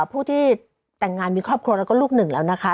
ผู้ที่แต่งงานมีครอบครัวแล้วก็ลูกหนึ่งแล้วนะคะ